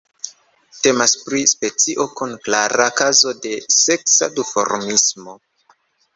Temas pri specio kun klara kazo de seksa duformismo.